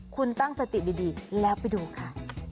คุณตั้งสติดีแล้วไปดูค่ะ